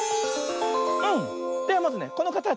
ではまずねこのかたち。